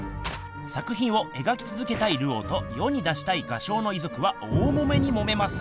作品をえがきつづけたいルオーと世に出したい画商の遺族は大もめにもめます。